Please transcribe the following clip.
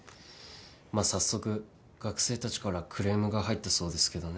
まあ早速学生たちからクレームが入ったそうですけどね。